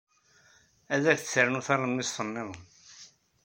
Ad ak-d-ternu talemmiẓt niḍen.